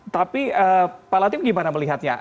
tapi pak latif gimana melihatnya